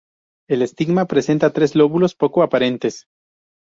El estigma presenta tres lóbulos poco aparentes.